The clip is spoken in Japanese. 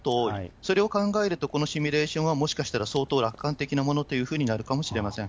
それを考えると、このシミュレーションは、もしかしたら相当楽観的なものというふうになるかもしれません。